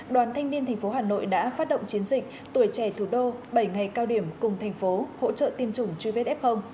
đoàn thanh niên thành phố hà nội đã phát động chiến dịch tuổi trẻ thủ đô bảy ngày cao điểm cùng thành phố hỗ trợ tiêm chủng gvsf